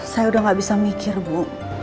saya udah gak bisa mikir bu